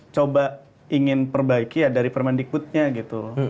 coba ingin perbaiki ya dari permendikbudnya gitu